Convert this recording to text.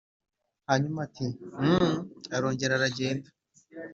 hanyuma ati 'humph!' arongera aragenda.